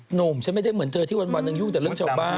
หนุ่มฉันไม่ได้เหมือนเธอที่วันหนึ่งยุ่งแต่เรื่องชาวบ้าน